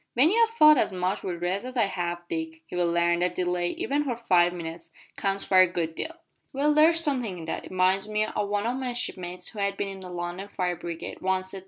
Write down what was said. "When you've fought as much wi' Reds as I have, Dick, you'll larn that delay, even for five minutes, counts for a good deal." "Well, there's somethin' in that. It minds me o' what one o' my shipmates, who had bin in the London fire brigade, once said.